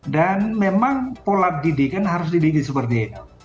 dan memang pola didikan harus dididik seperti ini